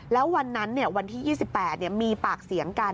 แล้ววันนั้นวันที่๒๘มีปากเสียงกัน